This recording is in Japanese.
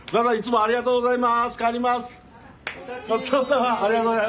ありがとうございます。